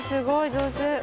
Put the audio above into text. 上手！